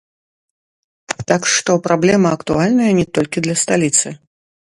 Так што, праблема актуальная не толькі для сталіцы.